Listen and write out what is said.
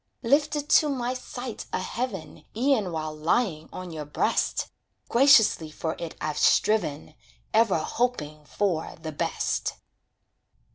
Lifted to my sight a heaven, E'en while lying on your breast Graciously for it I've striven, Ever hoping for the best.